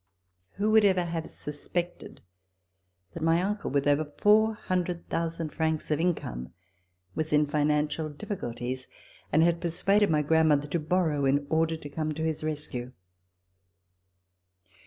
Who would ever have suspected that my uncle, with over 400,000 francs of income, was in financial difficulties and had persuaded my grandmother to borrow, in order to come to his rescue.?